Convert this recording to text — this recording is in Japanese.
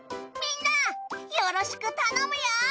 みんなよろしく頼むよ！